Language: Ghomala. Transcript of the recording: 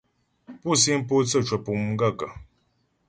Pú síŋ pótsə́ cwə̀pùŋ m gaə̂ kə́ ?